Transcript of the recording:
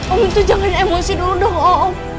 om itu jangan emosi dulu dong om